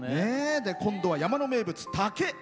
今度は山の名物、竹。